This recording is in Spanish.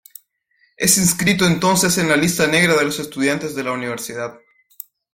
Es inscrito entonces en la lista negra de los estudiantes de la Universidad.